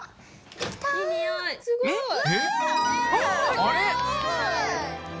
あれ？